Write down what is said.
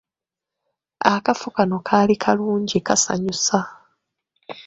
Akafo kano kaali kalungi kasanyusa.